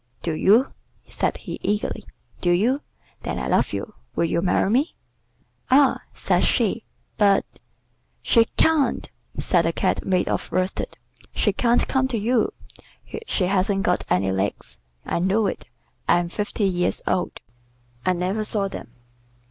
"Do you?" said he eagerly. "Do you? Then I love you. Will you marry me?" "Ah!" said she; "but " "She can't!" said the Cat made of worsted. "She can't come to you. She hasn't got any legs. I know it. I'm fifty years old. I never saw them."